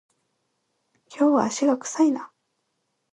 今日は足が臭いな